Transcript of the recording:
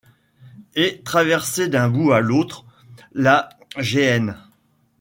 Et traversé d’un bout à l’autre la géhenne